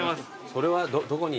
それはどこに？